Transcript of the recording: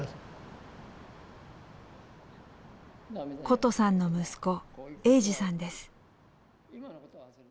ことさんの息子栄司さんです。